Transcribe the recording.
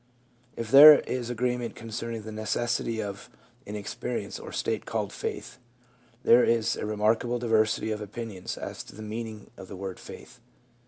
If there is agreement concerning the necessity of an experi ence or state called faith, there is a remarkable diversity of opinion as to the meaning of the word faith.